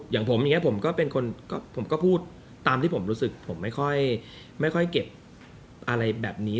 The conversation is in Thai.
อย่างผมอย่างนี้ผมก็เป็นคนผมก็พูดตามที่ผมรู้สึกผมไม่ค่อยเก็บอะไรแบบนี้